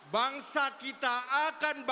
bangsa kita akan berjaya